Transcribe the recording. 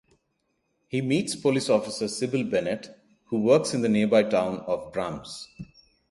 He meets police officer Cybil Bennett, who works in the nearby town of Brahms.